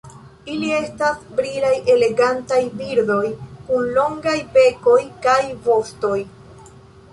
Ili estas brilaj elegantaj birdoj kun longaj bekoj kaj vostoj.